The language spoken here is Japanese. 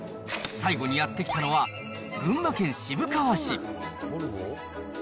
最後にやって来たのは、群馬県渋川市。